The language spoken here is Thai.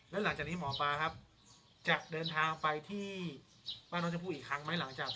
แล้วหลังจากนี้หมอปลาครับจะเดินทางไปที่บ้านน้องชมพู่อีกครั้งไหมหลังจาก